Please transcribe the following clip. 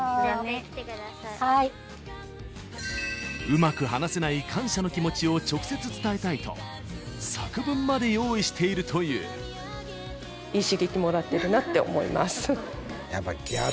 うまく話せない感謝の気持ちを直接伝えたいと作文まで用意しているというもしかしたらそうですよね